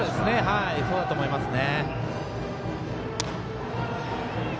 そうだと思いますね。